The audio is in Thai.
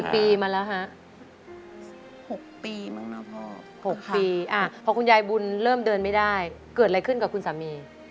๖ปีพอคุณยายบุญเริ่มเดินไม่ได้เกิดอะไรขึ้นกับคุณสามี